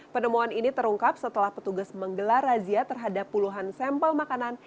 penemuan ini terungkap setelah petugas menggelar razia terhadap puluhan sampel makanan